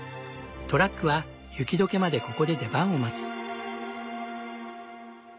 トラックは雪解けまでここで出番を待つ。